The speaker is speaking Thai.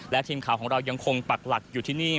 และทีมข่าวของเรายังคงปักหลักอยู่ที่นี่